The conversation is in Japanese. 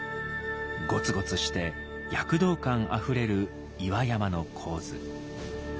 ゴツゴツして躍動感あふれる岩山の構図。